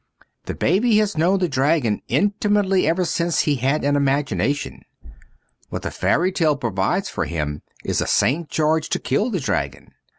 The baby has known the dragon intimately ever since he had an imagination. What the fairy tale provides for him is a St. George to kill the dragon.